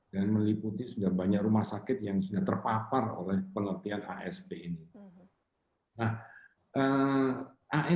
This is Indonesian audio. dan meliputi sudah banyak rumah sakit yang sudah terpapar oleh penelitian asp ini